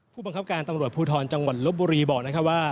ผู้บังคับการตำรวจภูทรจังหวัดลบบุรีบอกนะครับว่า